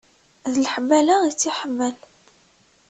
D leḥmala i tt-iḥemmel.